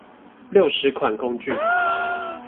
六十款工具